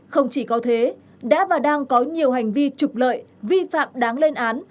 không chỉ có thế đã và đang có nhiều hành vi trục lợi vi phạm đáng lên án